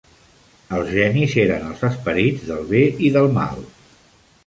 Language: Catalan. Els genis eren els esperits del bé i del mal.